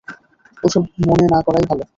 ওসব মনে না করাই ভালো।